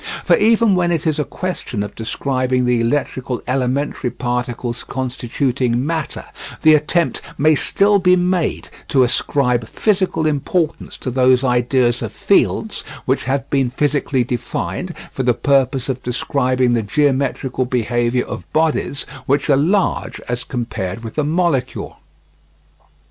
For even when it is a question of describing the electrical elementary particles constituting matter, the attempt may still be made to ascribe physical importance to those ideas of fields which have been physically defined for the purpose of describing the geometrical behaviour of bodies which are large as compared with the molecule.